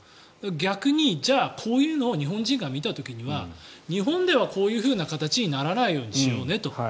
逆にこういうのを日本人が見た時には日本ではこういうふうな形にならないようにしようねと。